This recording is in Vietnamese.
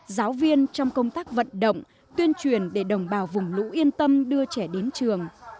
giáo viên trong công tác vận động tuyên truyền để đồng bào vùng lũ yên tâm đưa trẻ đến trường